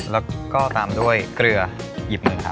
แล้วก็ตามด้วยเกลือหยิบมือครับ